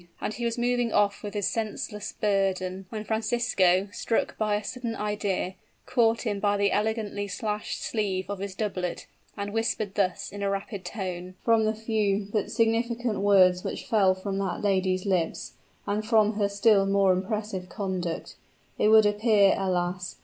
And he was moving off with his senseless burden, when Francisco, struck by a sudden idea, caught him by the elegantly slashed sleeve of his doublet, and whispered thus, in a rapid tone: "From the few, but significant words which fell from that lady's lips, and from her still more impressive conduct, it would appear, alas!